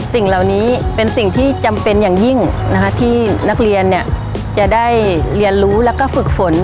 สิ่งเหล่านี้เป็นสิ่งที่จำเป็นอย่างยิ่งที่นักเรียนจะได้เรียนรู้แล้วก็ฝึกฝน